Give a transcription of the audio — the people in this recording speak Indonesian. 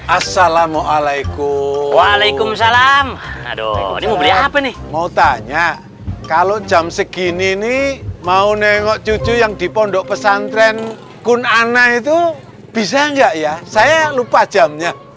assalamualaikum waalaikumsalam aduh ini mau beli apa nih mau tanya kalau jam segini nih mau nengok cucu yang di pondok pesantren kun ana itu bisa gak ya saya lupa jamnya